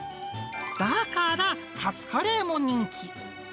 だからカツカレーも人気。